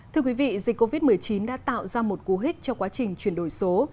thưa quý vị dịch covid một mươi chín đã tạo ra một cú hích cho quá trình chuyển đổi số